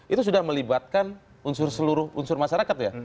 itu sudah melibatkan unsur seluruh unsur masyarakat ya